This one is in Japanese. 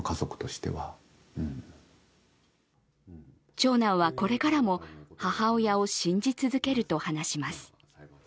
長男はこれからも母親を信じ続けると話します。